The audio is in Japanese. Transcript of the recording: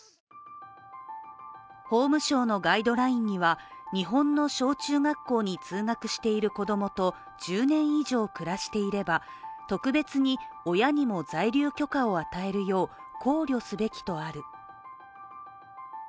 法務省のガイドラインには日本の小中学校に通学している子供と１０年以上暮らしていれば特別に親にも在留許可を与えるよう考慮すべきとある。